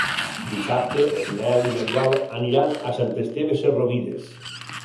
Dissabte en Nel i n'Oriol aniran a Sant Esteve Sesrovires.